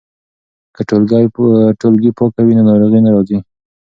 که ټولګې پاکه وي نو ناروغي نه راځي.